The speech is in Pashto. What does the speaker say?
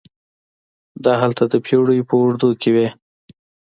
دا هلته د پېړیو په اوږدو کې وې.